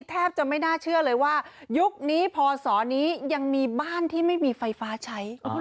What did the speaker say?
แทบจะไม่น่าเชื่อเลยว่ายุคนี้พศนี้ยังมีบ้านที่ไม่มีไฟฟ้าใช้